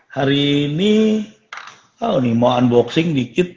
hari ini mau unboxing dikit